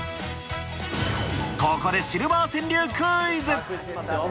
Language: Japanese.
ここでシルバー川柳クイズ。